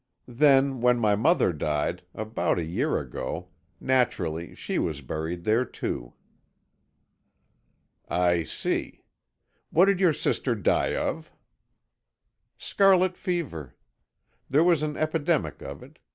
Then, when my mother died, about a year ago, naturally she was buried there, too." "I see. What did your sister die of?" "Scarlet fever. There was an epidemic of it.